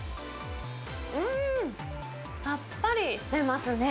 うーん、さっぱりしてますね。